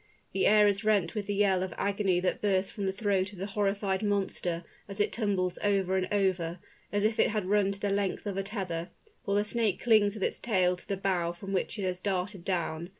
The air is rent with the yell of agony that bursts from the throat of the horrified monster as it tumbles over and over, as if it had run to the length of a tether for the snake clings with its tail to the bough from which it has darted down.